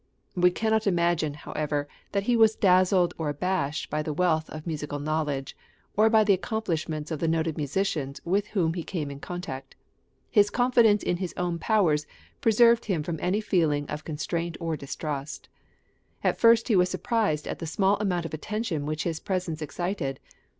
We cannot imagine, however, that he was dazzled or abashed by the wealth of musical knowledge, or by the accomplishments of the noted musicians with whom he came in contact; his confidence in his own powers preserved him from any feeling of constraint or distrust. At first he was surprised at the small amount of attention which his presence excited.